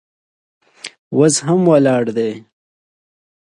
اوس هم ولاړ دی.